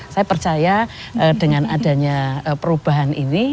saya percaya dengan adanya perubahan ini